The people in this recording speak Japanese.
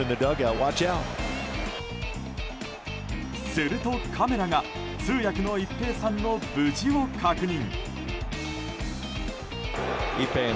するとカメラが通訳の一平さんの無事を確認。